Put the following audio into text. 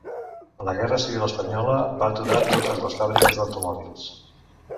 La guerra civil espanyola va aturar totes les fàbriques d'automòbils.